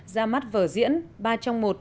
ra mắt vở diễn ba trong một